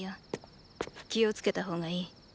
気をつけた方がいい。